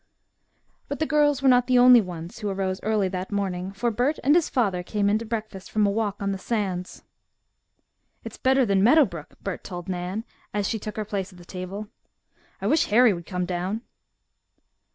But the girls were not the only ones who arose early that morning, for Bert and his father came in to breakfast from a walk on the sands. "It's better than Meadow Brook," Bert told Nan, as she took her place at the table. "I wish Harry would come down."